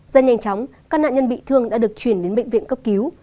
rất nhanh chóng các nạn nhân bị thương đã được chuyển đến bệnh viện cấp cứu